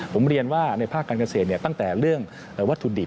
ผมเรียนว่าในภาคการเกษตรตั้งแต่เรื่องวัตถุดิบ